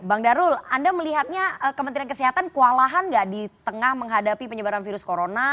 bang darul anda melihatnya kementerian kesehatan kewalahan nggak di tengah menghadapi penyebaran virus corona